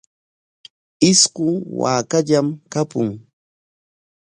Isqun waakallam kapun.